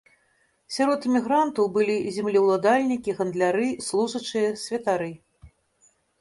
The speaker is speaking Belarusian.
Сярод эмігрантаў былі землеўладальнікі, гандляры, служачыя, святары.